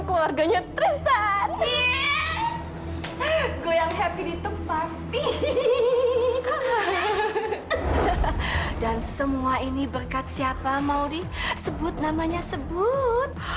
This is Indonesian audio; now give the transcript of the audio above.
keluarganya tristan gue yang happy di tempat ini dan semua ini berkat siapa mau disebut namanya sebut